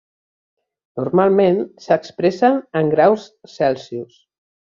Normalment s'expressen en graus Celsius.